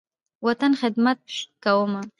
وطن، خدمت کومه